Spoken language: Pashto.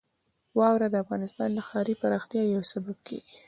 واوره د افغانستان د ښاري پراختیا یو سبب کېږي.